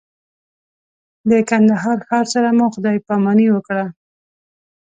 د کندهار ښار سره مو خدای پاماني وکړه.